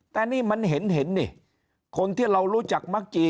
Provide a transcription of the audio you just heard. แต่นี่มันเห็นนี่คนที่เรารู้จักมักจี